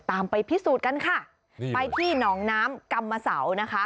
ไปพิสูจน์กันค่ะไปที่หนองน้ำกรรมเสานะคะ